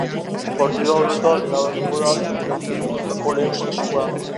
Partida horretan erabakiko da seguraski multzoko lehen postua.